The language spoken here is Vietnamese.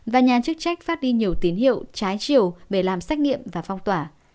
và nhà chức trách phát đi nhiều tín hiệu trái chiều để làm xét nghiệm và phong tỏa